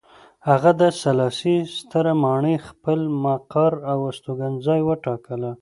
هغه د سلاسي ستره ماڼۍ خپل مقر او استوګنځی وټاکله.